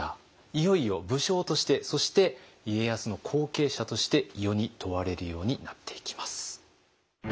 いよいよ武将としてそして家康の後継者として世に問われるようになっていきます。